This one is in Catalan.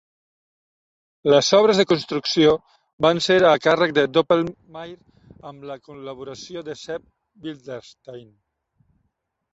Les obres de construcció van ser a càrrec de Doppelmayr amb la col·laboració de Sepp Bildstein.